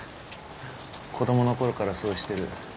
子供のころからそうしてる。